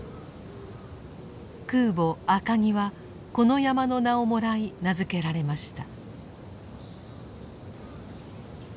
空母「赤城」はこの山の名をもらい名付けられました。